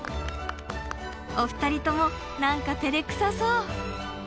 お二人とも何かてれくさそう。